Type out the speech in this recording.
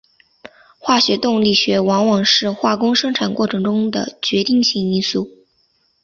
化学动力学往往是化工生产过程中的决定性因素。